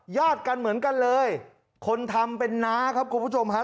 ญาติกันเหมือนกันเลยคนทำเป็นน้าครับคุณผู้ชมฮะ